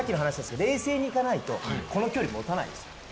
冷静にいかないとこの距離、持たないです。